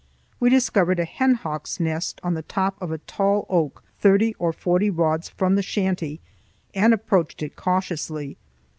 We discovered a hen hawk's nest on the top of a tall oak thirty or forty rods from the shanty and approached it cautiously.